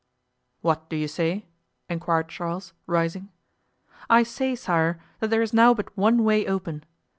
"What do you say?" inquired Charles, rising. "I say, sire, that there is now but one way open.